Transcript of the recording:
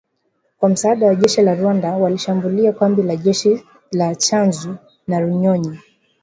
kwa msaada wa jeshi la Rwanda, walishambulia kambi za jeshi za Tchanzu na Runyonyi